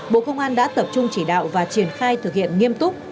bộ công an đã tập trung chỉ đạo và triển khai thực hiện nghiêm túc